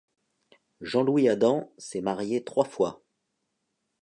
Jean-Louis Adam s'est marié trois fois.